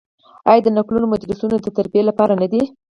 آیا د نکلونو مجلسونه د تربیې لپاره نه دي؟